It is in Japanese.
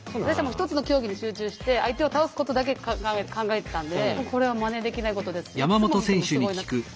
私は一つの競技に集中して相手を倒すことだけ考えてたんでこれはまねできないことですしいつ見てもすごいなと。